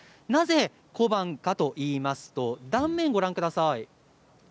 なぜ小判かといいますと断面をご覧ください。